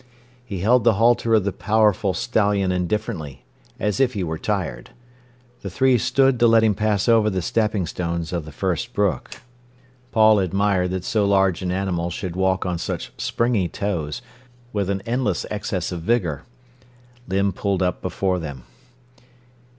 He held the halter of the powerful stallion indifferently, as if he were tired. The three stood to let him pass over the stepping stones of the first brook. Paul admired that so large an animal should walk on such springy toes, with an endless excess of vigour. Limb pulled up before them.